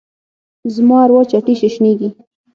زما اروا څټي ششنیږې